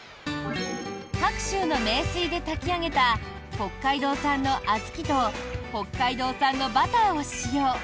白州の名水で炊き上げた北海道産の小豆と北海道産のバターを使用。